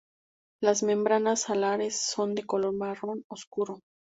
Las membranas alares son de color marrón oscuro.